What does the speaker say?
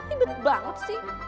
ibet banget sih